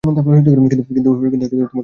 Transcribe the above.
কিন্তু তোমাকে পালাতে হবে।